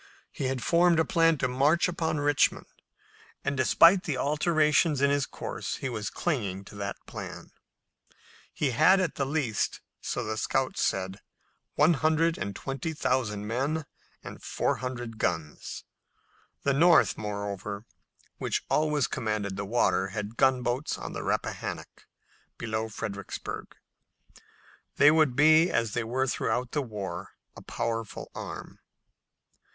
He had formed a plan to march upon Richmond, and, despite the alterations in his course, he was clinging to that plan. He had at the least, so the scouts said, one hundred and twenty thousand men and four hundred guns. The North, moreover, which always commanded the water, had gunboats in the Rappahannock below Fredericksburg, and they would be, as they were throughout the war, a powerful arm.